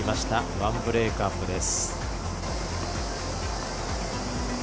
１ブレークアップです。